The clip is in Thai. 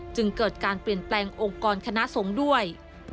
จึงเกิดการเปลี่ยนแปลงองค์กรคณะสงฆ์ด้วย